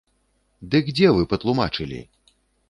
Дык дзе вы патлумачылі?